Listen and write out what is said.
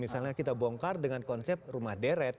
misalnya kita bongkar dengan konsep rumah deret